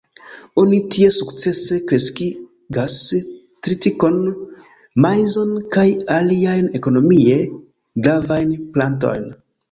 Oni tie sukcese kreskigas tritikon, maizon kaj aliajn ekonomie gravajn plantojn.